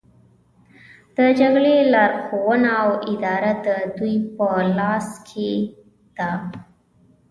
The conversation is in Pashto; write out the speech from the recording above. د جګړې لارښوونه او اداره د دوی په لاس کې ده